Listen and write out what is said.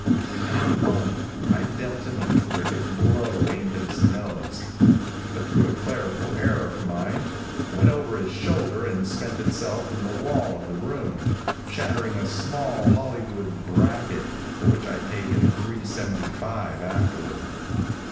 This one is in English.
At that moment I dealt him a terrific blow aimed at his nose, but through a clerical error of mine it went over his shoulder and spent itself in the wall of the room, shattering a small holly wood bracket, for which I paid him $3.75 afterward.